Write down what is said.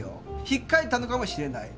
引っかいたのかもしれない。